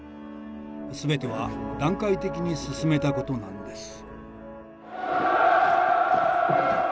全ては段階的に進めたことなのです。